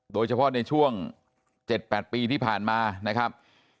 โดยเฉพาะในช่วง๗๘ปีที่ผ่านมานะครับ